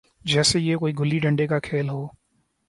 جیسے یہ کوئی گلی ڈنڈے کا کھیل ہو۔